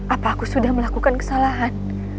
apa aku sudah melakukan kesalahan